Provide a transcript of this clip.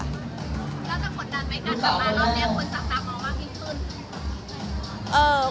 แล้วจะกดดันไปกันกลับมารอบนี้คุณสามารถมองมากยิ่งขึ้น